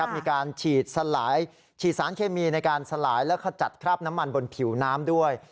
มีการฉีดสลายฉีดสารเคมีในการสลายและขจัดคราบน้ำมันบนผิวน้ำด้วย